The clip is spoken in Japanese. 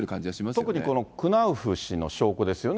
特にこのクナウフ氏の証拠ですよね。